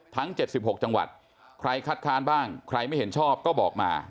ทั้ง๗๖จังหวัดใครคัดค้านบ้างใครไม่เห็นชอบก็บอกมา